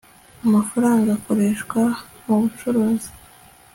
amafaranga akoreshwa mubucuruzi